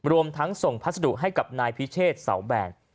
รวมทั้งส่งพัสดุให้กับนายพิเชษเสาแบน